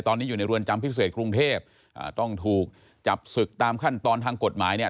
ตอนนี้อยู่ในเรือนจำพิเศษกรุงเทพอ่าต้องถูกจับศึกตามขั้นตอนทางกฎหมายเนี่ย